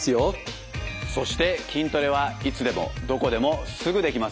そして筋トレはいつでもどこでもすぐできます。